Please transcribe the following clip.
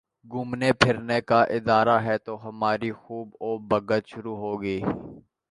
گھومنے پھرنے کا ارادہ ہے تو ہماری خوب آؤ بھگت شروع ہو گئی